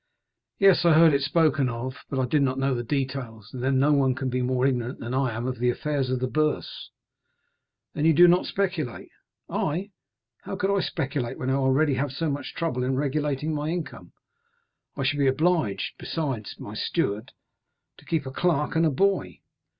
"Yes, I heard it spoken of, but I did not know the details, and then no one can be more ignorant than I am of the affairs in the Bourse." 30251m "Then you do not speculate?" "I?—How could I speculate when I already have so much trouble in regulating my income? I should be obliged, besides my steward, to keep a clerk and a boy.